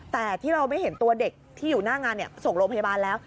แต่ที่เราไม่เห็นตัวเด็กที่อยู่หน้างานส่งโรงพยาบาลแล้ว